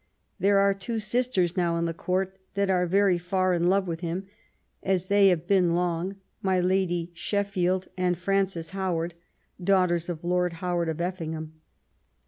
There are two sisters now in the Court that are very far in love with him, as they have been long, my Lady Sheffield and Frances Howard (daughters of Lord Howard of Effingham).